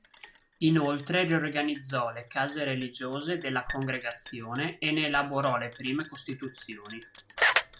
Inoltre riorganizzò le case religiose della Congregazione e ne elaborò le prime Costituzioni.